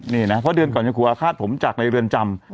นี่นะเพราะเดือนก่อนยังขู่อาฆาตผมจากในเรือนจำ